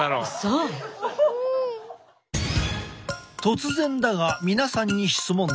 突然だが皆さんに質問だ。